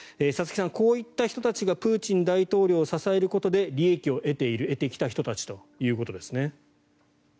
佐々木さん、こういった人たちがプーチン大統領を支えることで利益を得ている、得てきた人たちということですね。